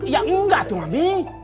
ya enggak tuh mami